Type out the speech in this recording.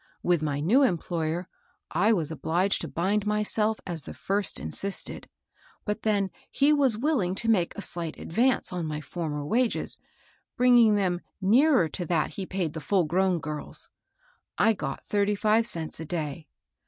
With my new employer I was obliged to bind myself as the first insisted; but then he was willing to make a slight advance on my former wages, bringing them nearer to that he paid the full grown girls. I got thirty five cents a day.